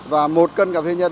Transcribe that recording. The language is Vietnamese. và một cân cà phê nhân